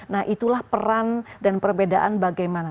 nah itulah peran dan perbedaan bagaimana